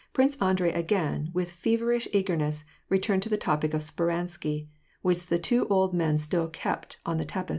Prince Andrei again, with feverish eagerness, re turned to the topic of Speransky, which the two old men still kept on the tapis.